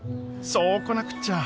そうこなくっちゃ！